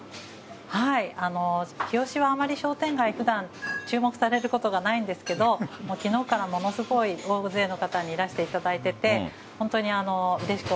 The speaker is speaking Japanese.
日吉はあまり商店街、ふだん、注目されることがないんですけど、きのうからものすごい大勢の方にいらしていただいてて、本当にう